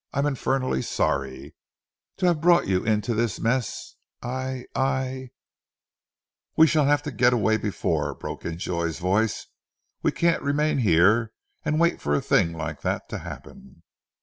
I'm infernally sorry ... to have brought you into this mess, I ... I " "We shall have to get away before," broke in Joy's voice. "We can't remain here and wait for a thing like that to happen."